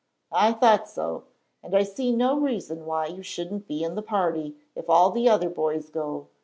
"I thought so; and I see no reason why you shouldn't be in the party, if all the other boys go.